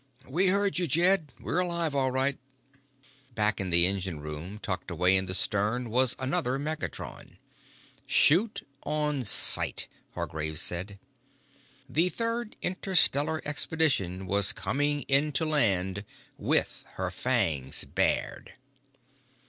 "We heard you, Jed. We're alive all right." Back of the engine room, tucked away in the stern, was another negatron. "Shoot on sight!" Hargraves said. The Third Interstellar Expedition was coming in to land with her fangs bared.